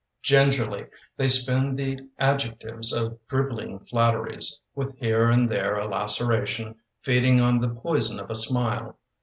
Gingerly, they spend The adjectives of dribbling flatteries, With here and there a laceration Feeding on the poison of a smile.